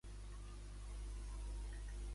Què va ocórrer més endavant amb Xutos?